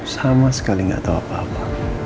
sama sekali gak tau apa apa